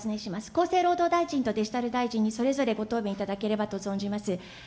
厚生労働大臣とデジタル大臣にそれぞれご答弁いただければと思います。